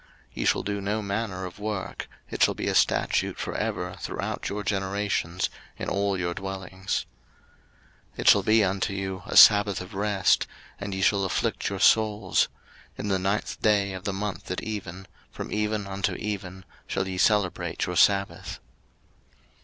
03:023:031 Ye shall do no manner of work: it shall be a statute for ever throughout your generations in all your dwellings. 03:023:032 It shall be unto you a sabbath of rest, and ye shall afflict your souls: in the ninth day of the month at even, from even unto even, shall ye celebrate your sabbath.